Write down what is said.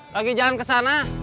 lagi jalan kesana